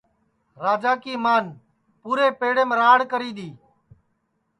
راجا کی مان پُورے پیڑیم راڑ کری تی